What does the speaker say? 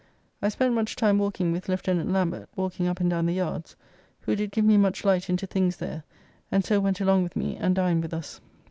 I spent much time walking with Lieutenant Lambert, walking up and down the yards, who did give me much light into things there, and so went along with me and dined with us.